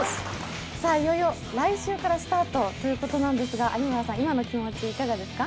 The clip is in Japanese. いよいよ来週からスタートということなんですが、有村さん、今の気持ち、いかがですか？